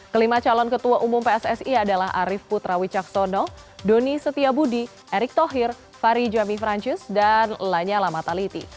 kelima calon ketua umum pssi adalah arief putrawi caksono doni setia budi erik tohir fari jami francis dan lanya lamataliti